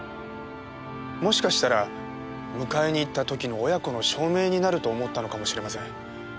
もしかしたら迎えに行った時の親子の証明になると思ったのかもしれません。